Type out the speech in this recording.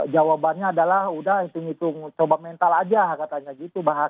jawabannya adalah udah ngitung hitung coba mental aja katanya gitu bahasanya